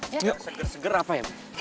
segar segar apa ya bu